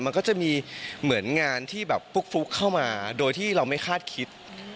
มันก็จะมีเหมือนงานที่แบบฟุกเข้ามาโดยที่เราไม่คาดคิด